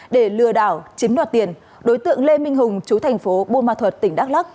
để lừa đảo chiếm đoạt tiền đối tượng lê minh hùng chú thành phố buôn ma thuật tỉnh đắk lắc